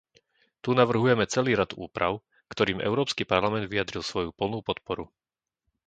Tu navrhujeme celý rad úprav, ktorým Európsky parlament vyjadril svoju plnú podporu.